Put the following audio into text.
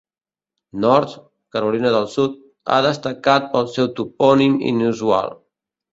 North, Carolina del Sud, ha destacat pel seu topònim inusual.